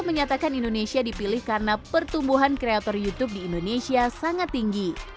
menyatakan indonesia dipilih karena pertumbuhan kreator youtube di indonesia sangat tinggi